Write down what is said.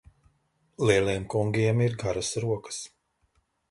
Lieliem kungiem ir garas rokas.